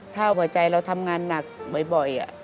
ถ้าหัวใจเราทำงานหนักบ่อย